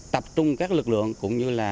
tập trung các lực lượng cũng như là